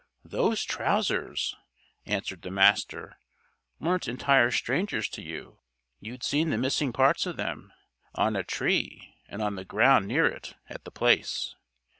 "Those trousers," answered the Master, "weren't entire strangers to you. You'd seen the missing parts of them on a tree and on the ground near it, at The Place.